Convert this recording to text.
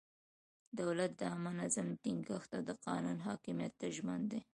دولت د عامه نظم ټینګښت او د قانون حاکمیت ته ژمن دی.